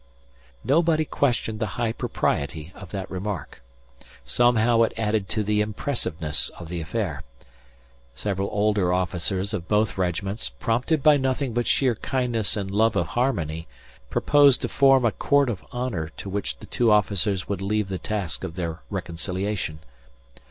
Nobody questioned the high propriety of that remark. Somehow it added to the impressiveness of the affair. Several older officers of both regiments, prompted by nothing but sheer kindness and love of harmony, proposed to form a Court of Honour to which the two officers would leave the task of their reconciliation.